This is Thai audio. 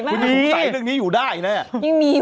คุณสายเรื่องนี้อยู่ได้นะ